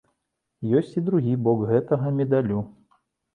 Ёсць і другі бок гэтага медалю.